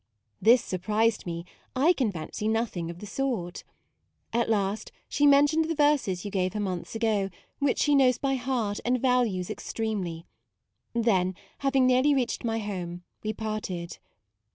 This surprised me ; I can fancy nothing of the sort. At last she mentioned the verses you gave her months ago, which she knows by heart and values extremely: then, having nearly reached my home, we parted.